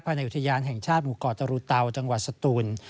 ในอุทยานแห่งชาติหมู่เกาะตรุเตาจังหวัดสตูน